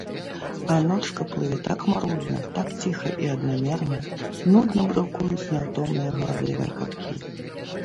А ночка плыве так марудна, так ціха і аднамерна, нудна брукуюць няўтомныя гаварлівыя каткі.